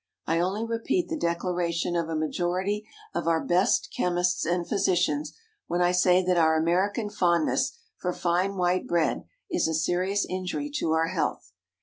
I only repeat the declaration of a majority of our best chemists and physicians when I say that our American fondness for fine white bread is a serious injury to our health.